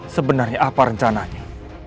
sebenarnya apa rencananya